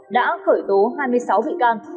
đã khởi tố hai mươi sáu bị can